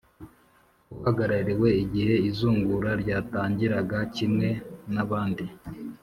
uhagarariwe igihe izungura ryatangiraga kimwe naabandi